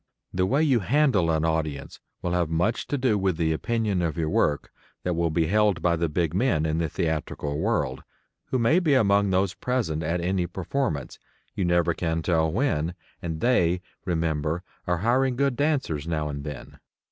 The way you handle an audience will have much to do with the opinion of your work that will be held by the big men in the theatrical world, who may be among those present at any performance, you never can tell when and they, remember, are hiring good dancers now and then.